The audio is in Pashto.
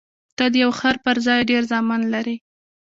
ته د یو خر پر ځای ډېر زامن لرې.